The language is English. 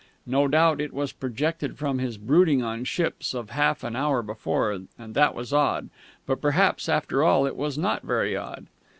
No doubt it was projected from his brooding on ships of half an hour before; and that was odd.... But perhaps, after all, it was not very odd.